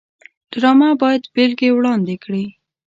ډرامه باید بېلګې وړاندې کړي